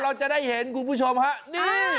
เราจะได้เห็นคุณผู้ชมฮะนี่